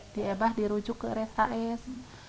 di ebah dirujuk ke resa es